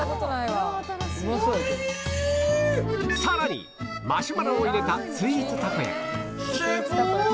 さらにマシュマロを入れたスイーツたこ焼き